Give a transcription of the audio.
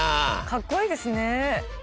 かっこいいですね。